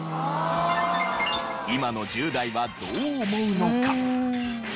今の１０代はどう思うのか？